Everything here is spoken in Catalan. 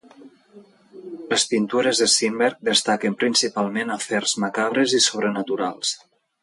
Les pintures de Simberg destaquen principalment afers macabres i sobrenaturals.